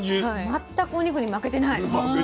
全くお肉に負けてない。